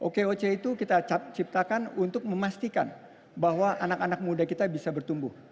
oke oke itu kita ciptakan untuk memastikan bahwa anak anak muda kita bisa bertumbuh